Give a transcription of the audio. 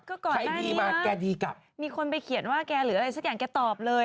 ก็ก่อนใครดีมาแกดีกลับมีคนไปเขียนว่าแกหรืออะไรสักอย่างแกตอบเลย